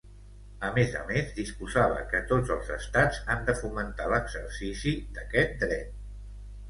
A més a més, disposava que tots els estats han de fomentar l'exercici d'aquest dret.